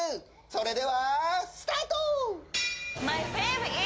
それではスタート！